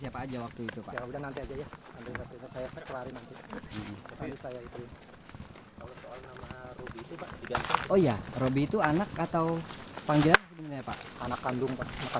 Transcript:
pada saat itu bagaimana pak pegi ada di bandung atau bagaimana pak